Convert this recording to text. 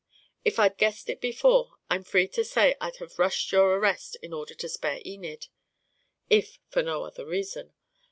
If I'd guessed it before, I'm free to say I'd have rushed your arrest in order to spare Enid, if for no other reason.